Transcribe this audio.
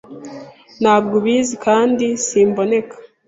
Ntabwo ubizi kandi simboneka